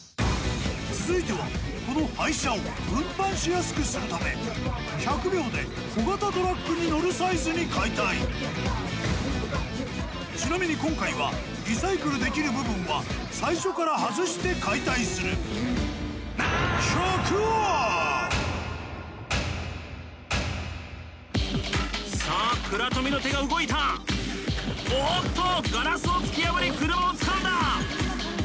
続いてはこの廃車を運搬しやすくするため１００秒で小型トラックに載るサイズに解体ちなみに今回はリサイクルできる部分は最初から外して解体するさあ倉冨の手が動いたおっとガラスを突き破り車をつかんだ！